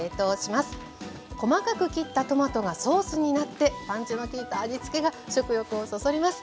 細かく切ったトマトがソースになってパンチのきいた味つけが食欲をそそります。